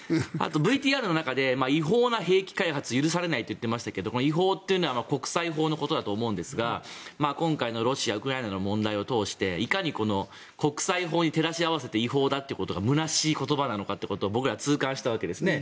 あと、ＶＴＲの中で違法な兵器開発は許されないと言っていましたが違法というのは国際法のことだと思うんですが今回のロシアウクライナの問題を通していかに国際法に照らし合わせて違法だという言葉空しい言葉かを僕ら、痛感したわけですね。